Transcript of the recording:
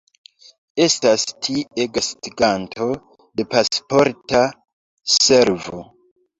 Estas tie gastiganto de Pasporta Servo.